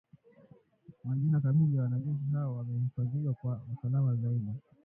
Majina kamili ya wanajeshi hao yamehifadhiwa kwa usalama zaidi.